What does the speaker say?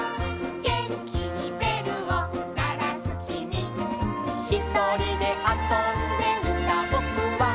「げんきにべるをならすきみ」「ひとりであそんでいたぼくは」